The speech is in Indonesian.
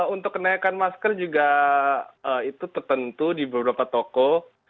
untuk kenaikan masker juga itu tertentu di beberapa toko